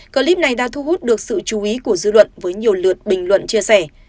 clip này đã thu hút được sự chú ý của dư luận với nhiều lượt bình luận chia sẻ